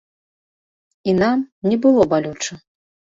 І нам не было балюча.